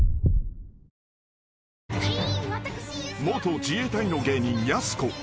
［元自衛隊の芸人やす子］